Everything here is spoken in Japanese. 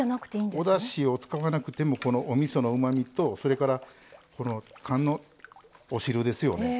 おだしを使わなくてもおみそのうまみとそれから缶のお汁ですよね